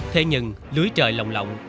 thế nhưng lưới trời lộng lộng